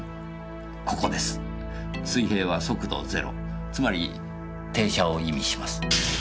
水平は速度ゼロつまり停車を意味します。